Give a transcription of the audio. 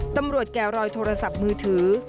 ตำรวจแก่รอยโทรศัพท์มือถือ